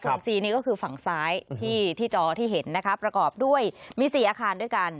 ส่วนซีนี่ก็คือฝั่งซ้ายที่จอที่เห็นนะคะประกอบด้วยมี๔อาคารด้วยกัน